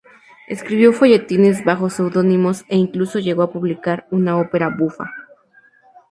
Escribió folletines bajo pseudónimos e incluso llegó a publicar una ópera bufa.